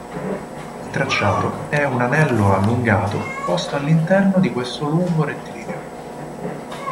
Il tracciato è un anello allungato posto all'interno di questo lungo rettilineo.